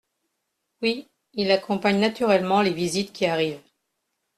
Oui, il accompagne naturellement les visites qui arrivent.